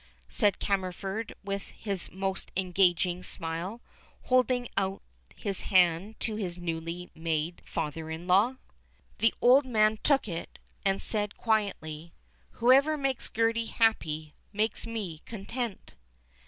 said Cammerford with his most engaging smile, holding out his hand to his newly made father in law. The old man took it and said quietly: "Whoever makes Gertie happy makes me content."